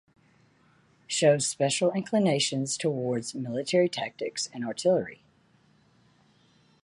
Shows special inclinations towards military tactics and artillery.